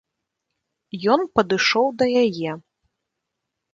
Ён падышоў да яе.